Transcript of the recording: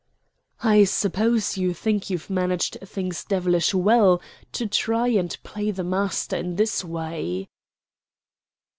"I suppose you think you've managed things devilish well to try and play the master in this way?"